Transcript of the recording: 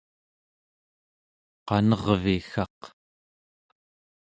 qanerviggaq